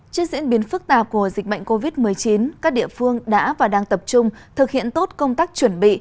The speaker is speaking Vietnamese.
trên diễn biến phức tạp của dịch bệnh covid một mươi chín các địa phương đã và đang tập trung thực hiện tốt công tác chuẩn bị